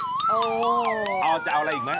เอาจะเอาอะไรอีกไหม